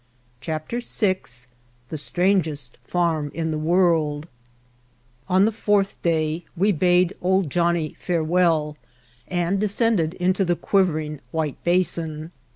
[Ill] VI The Strangest Farm in the World ON the fourth day we bade "Old Johnnie" farewell, and descended into the quiver ing white basin.